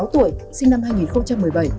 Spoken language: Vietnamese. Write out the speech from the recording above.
tuổi sinh năm